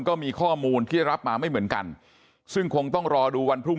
ก็มีข้อมูลที่รับมาไม่เหมือนกันซึ่งคงต้องรอดูวันพรุ่ง